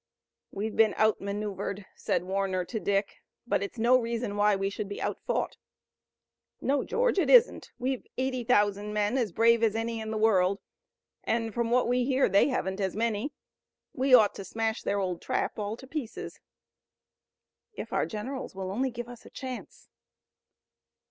"We've been outmaneuvered," said Warner to Dick, "but it's no reason why we should be outfought." "No, George, it isn't. We've eighty thousand men as brave as any in the world, and, from what we hear they haven't as many. We ought to smash their old trap all to pieces." "If our generals will only give us a chance."